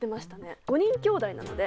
５人きょうだいなので。